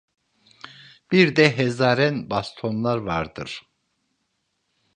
Bir de hezaren bastonlar vardır.